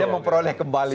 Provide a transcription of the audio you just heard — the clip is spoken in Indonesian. dia memperoleh kembali